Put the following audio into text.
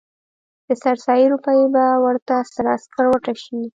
د سر سایې روپۍ به ورته سره سکروټه شي.